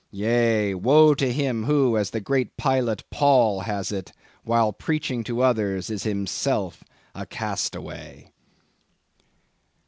Yea, woe to him who, as the great Pilot Paul has it, while preaching to others is himself a castaway!"